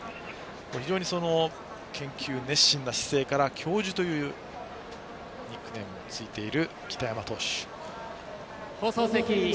非常に研究熱心な姿勢から教授というニックネームがついているという北山投手。